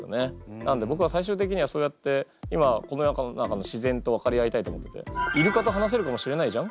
なんでぼくは最終的にはそうやって今この世の中の自然と分かり合いたいと思っててイルカと話せるかもしれないじゃん？